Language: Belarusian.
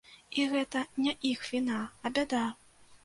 І гэта не іх віна, а бяда.